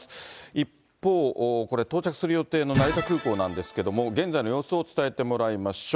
一方、これ、到着する予定の成田空港なんですけれども、現在の様子を伝えてもらいましょう。